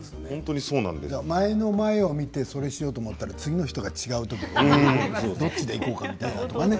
前の前を見てそれをしようと思ったら次の人が違うときにどっちでいこうかなと。